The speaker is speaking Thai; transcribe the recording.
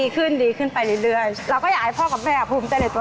คือแข็งแกร่งแล้ว